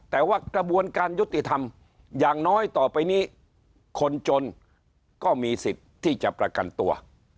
แต่ว่ากระบวนการยุติธรรมอย่างน้อยต่อไปนี้คนจนก็มีสิทธิ์ที่จะประกันตัว